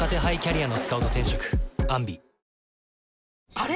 あれ？